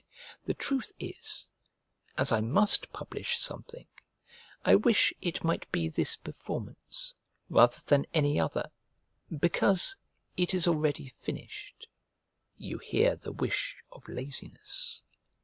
The truth is, as I must publish something, I wish it might be this performance rather than any other, because it is already finished: (you hear the wish of laziness.)